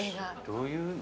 どういうの？